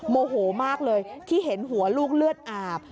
โมโหมากเลยที่เห็นหัวลูกเลือดอาบ